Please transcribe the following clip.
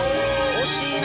惜しいな。